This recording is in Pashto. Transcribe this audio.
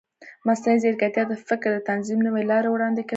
مصنوعي ځیرکتیا د فکر د تنظیم نوې لارې وړاندې کوي.